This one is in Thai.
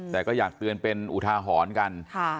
แต่ก็อยากเตือนเป็นอุทาหรณ์กัน